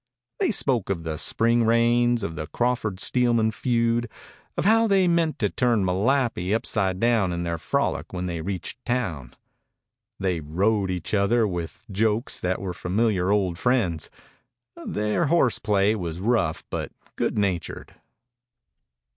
They spoke of the spring rains, of the Crawford Steelman feud, of how they meant to turn Malapi upside down in their frolic when they reached town. They "rode" each other with jokes that were familiar old friends. Their horse play was rough but good natured.